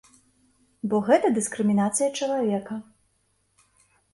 Бо гэта дыскрымінацыя чалавека.